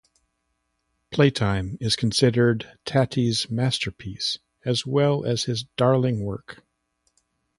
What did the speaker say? "Playtime" is considered Tati's masterpiece, as well as his most daring work.